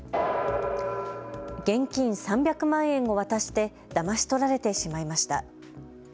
現金３００万円を渡してだまし取られてしまいました。